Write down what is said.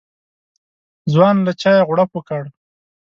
ځوان له چايه غوړپ وکړ.